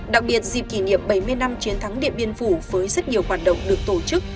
đặc biệt dịp kỷ niệm bảy mươi năm chiến thắng điện biên phủ với rất nhiều hoạt động được tổ chức